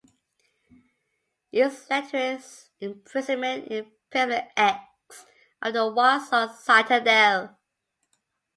This led to his imprisonment in Pavilion X of the Warsaw Citadel.